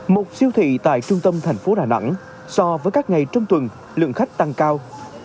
một siêu thị tại trung tâm thành phố đà nẵng so với các ngày trong tuần lượng khách tăng cao